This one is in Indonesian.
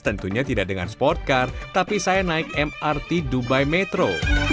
tentunya tidak dengan sport car tapi saya naik mrt dubai metro